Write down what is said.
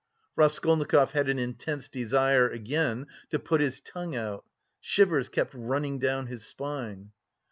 Raskolnikov had an intense desire again "to put his tongue out." Shivers kept running down his spine.